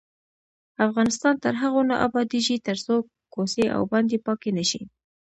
افغانستان تر هغو نه ابادیږي، ترڅو کوڅې او بانډې پاکې نشي.